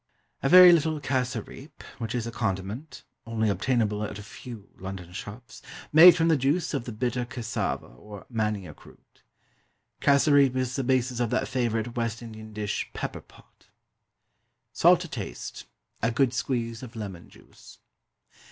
A very little cassareep, which is a condiment (only obtainable at a few London shops) made from the juice of the bitter cassava, or manioc root. Cassareep is the basis of that favourite West Indian dish "Pepper pot." Salt to taste. A good squeeze of lemon juice.